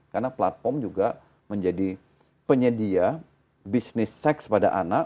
karena platform juga menjadi penyedia bisnis seks pada anak